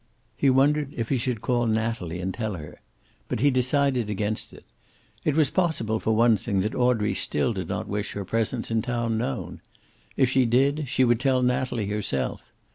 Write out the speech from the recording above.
He wondered if he should call Natalie and tell her. But he decided against it. It was possible, for one thing, that Audrey still did not wish her presence in town known. If she did, she would tell Natalie herself.